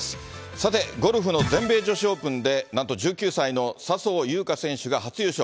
さて、ゴルフの全米女子オープンで、なんと１９歳の笹生優花選手が初優勝。